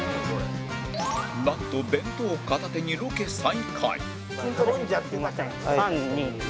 なんと弁当片手にロケ再開すみません。